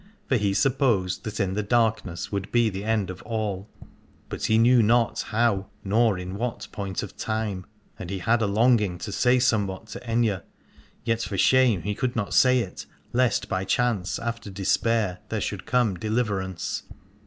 For he supposed that in the darkness would be the end of all, but he knew not how nor in what point of time : and he had a longing to say somewhat to Aithne, yet for shame he could not say it, lest by chance after despair there should come deliverance.